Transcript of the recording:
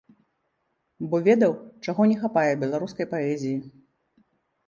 Бо ведаў, чаго не хапае беларускай паэзіі.